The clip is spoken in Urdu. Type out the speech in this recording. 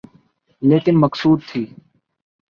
لیکن مقصود تھی۔